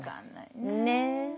ねえ。